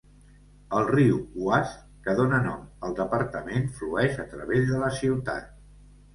El riu Oise, que dóna nom al departament, flueix a través de la ciutat.